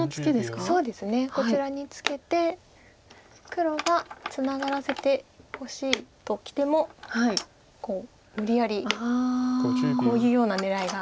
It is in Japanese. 黒がツナがらせてほしいときても無理やりこういうような狙いが。